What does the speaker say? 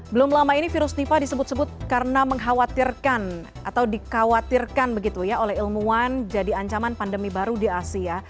belum lama ini virus nipah disebut sebut karena mengkhawatirkan atau dikhawatirkan begitu ya oleh ilmuwan jadi ancaman pandemi baru di asia